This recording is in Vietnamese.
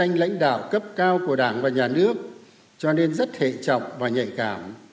góp phần xây dựng đội ngũ cán bộ cấp cao của đảng và của nhà nước cho nên rất hệ trọng và nhạy cảm